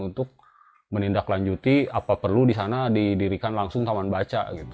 untuk menindaklanjuti apa perlu di sana didirikan langsung taman baca gitu